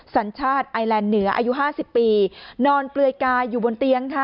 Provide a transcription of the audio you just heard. สัญชาติไอแลนด์เหนืออายุ๕๐ปีนอนเปลือยกายอยู่บนเตียงค่ะ